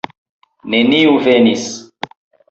Neniu venis.